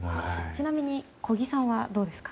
ちなみに小木さんはどうですか。